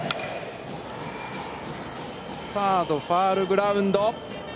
サード、ファウルグラウンド。